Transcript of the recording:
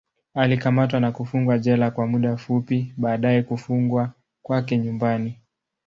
Alikamatwa na kufungwa jela kwa muda fupi, baadaye kufungwa kwake nyumbani.